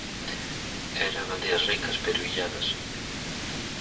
Eran aldeas ricas pero illadas.